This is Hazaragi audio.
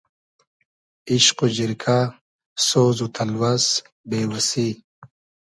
ایشق و جیرکۂ سۉز و تئلوئس بې وئسی